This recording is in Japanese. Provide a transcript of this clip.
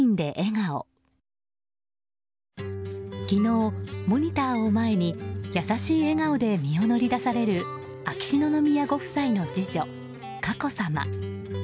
昨日、モニターを前に優しい笑顔で身を乗り出される秋篠宮ご夫妻の次女・佳子さま。